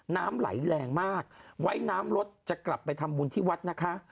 น้ำไหลแรงมากไว้น้ำรถจะกลับไปทำบุญที่วัดนะคะ